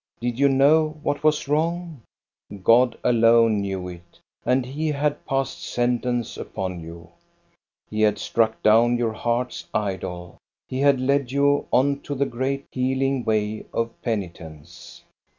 Did you know what was wrong? God alone knew it, and he had passed sentence upon you. He had struck down your heart's idol. He had led you on to the great, healing way of penitence.